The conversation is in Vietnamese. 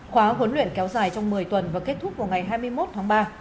khóa huấn luyện kéo dài trong một mươi tuần và kết thúc vào ngày hai mươi một tháng ba